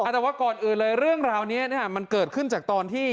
แต่ว่าก่อนอื่นเลยเรื่องราวนี้มันเกิดขึ้นจากตอนที่